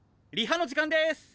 リハの時間です。